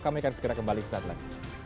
kami akan segera kembali sesaat lagi